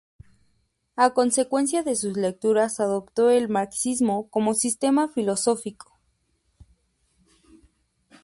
A consecuencia de sus lecturas adoptó el marxismo como sistema filosófico.